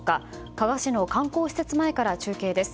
加賀市の観光施設前から注目です。